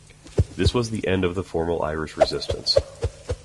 This was the end of formal Irish resistance.